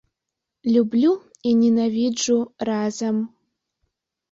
Люблю і ненавіджу разам.